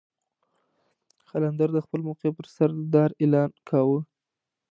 قلندر د خپل موقف پر سر د دار اعلان کاوه.